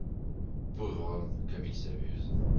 Pauvre homme ! comme il s’abuse !